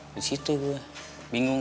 di situ gue bingung